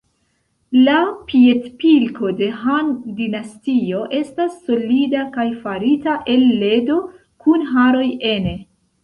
La piedpilko de Han-dinastio estas solida kaj farita el ledo kun haroj ene.